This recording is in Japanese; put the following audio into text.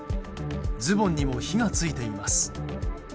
ズボンにも火が付いています。